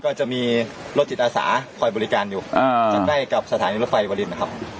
ก็จะมีรถจิตอาสาคอยบริการอยู่ใกล้กับสถานีรถไฟวรินนะครับ